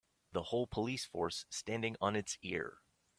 The whole police force standing on it's ear.